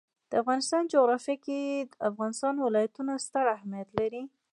د افغانستان جغرافیه کې د افغانستان ولايتونه ستر اهمیت لري.